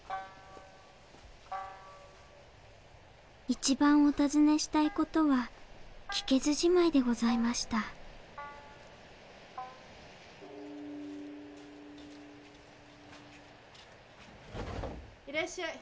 一番お尋ねしたい事は聞けずじまいでございましたいらっしゃい。